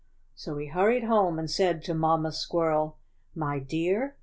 So he hurried home and said to Mamma ^Squirrel: 'My dear.